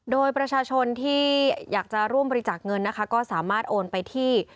โดยประชาชนที่อยากจะร่วมบริจาคเงินนะคะก็สามารถโอนไปที่